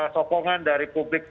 sokongan dari publik